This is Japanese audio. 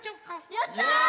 やった！